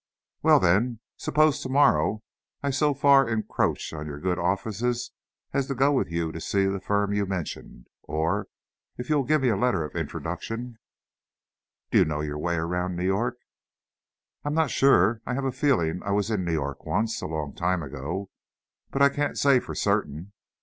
Well, then, suppose tomorrow I so far encroach on your good offices as to go with you to see the firm you mentioned. Or, if you'll give me a letter of introduction " "Do you know your way around New York?" "I'm not sure. I have a feeling I was in New York once, a long time ago, but I can't say for certain."